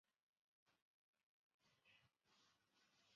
他亦表示这是职业生涯中表现最好的一场比赛。